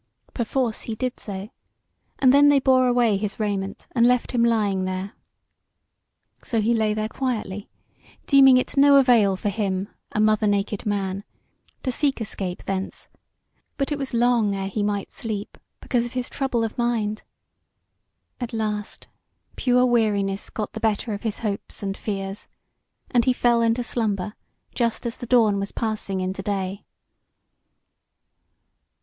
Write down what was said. Perforce he did so, and then they bore away his raiment, and left him lying there. So he lay there quietly, deeming it no avail for him, a mother naked man, to seek escape thence; but it was long ere he might sleep, because of his trouble of mind. At last, pure weariness got the better of his hopes and fears, and he fell into slumber just as the dawn was passing into day.